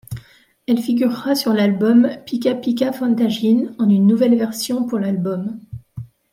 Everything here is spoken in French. Elle figurera sur l'album Pika Pika Fantajin en une nouvelle version pour l'album.